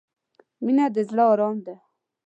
• مینه د زړۀ ارام دی.